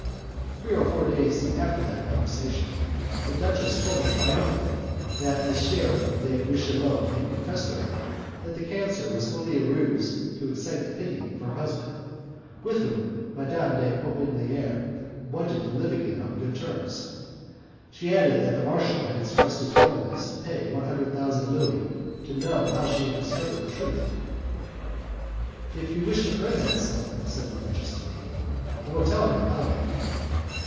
Three or four days after that conversation, the duchess told me triumphantly that M. de Richelieu had confessed to her that the cancer was only a ruse to excite the pity of her husband, with whom Madame de la Popeliniere wanted to live again on good terms; she added that the marshal had expressed his willingness to pay one thousand Louis to know how she had discovered the truth. "If you wish to earn that sum," said the duchess to me, "I will tell him all about it."